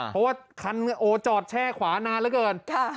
เพราะว่าคันโอ้จอดแช่ขวานานเหลือเกิน